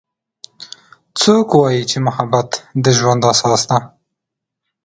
څوک وایي چې محبت د ژوند اساس ده